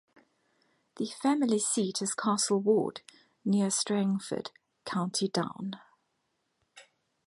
The family seat is Castle Ward, near Strangford, County Down.